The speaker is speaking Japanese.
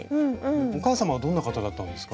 お母さまはどんな方だったんですか？